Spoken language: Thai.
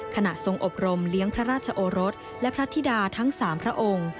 ทรงอบรมเลี้ยงพระราชโอรสและพระธิดาทั้ง๓พระองค์